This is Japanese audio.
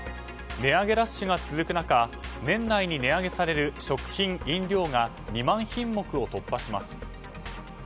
値上げラッシュが続く中年内に値上げされる食品、飲料が２万品目を突破します。